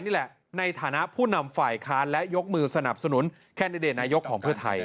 ในฐานะผู้นำฝ่ายค้านและยกมือสนับสนุนแคนดิเดตนายกของเพื่อไทย